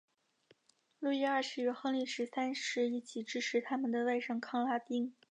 路易二世与亨利十三世一起支持他们的外甥康拉丁。